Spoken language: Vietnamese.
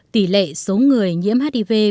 tỷ lệ số người nhiễm hiv